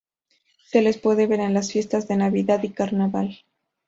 Se les puede ver en las fiestas de Navidad y Carnaval.